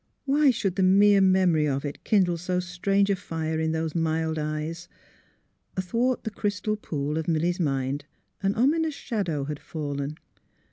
— Wliy should the mere memory of it kindle so strange a fire in those mild eyes? Athwart the crystal pool of Milly 's mind an ominous shadow had fallen.